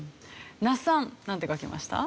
那須さんなんて書きました？